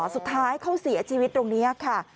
สุดท้ายเขาเสียชีวิตตรงนี้ค่ะ